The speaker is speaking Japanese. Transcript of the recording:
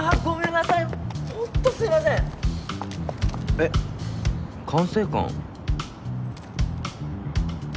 えっ管制官？